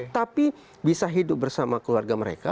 tapi bisa hidup bersama keluarga mereka